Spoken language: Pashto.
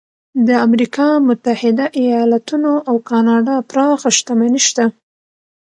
د امریکا متحده ایالتونو او کاناډا پراخه شتمني شته.